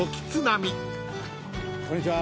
こんにちは。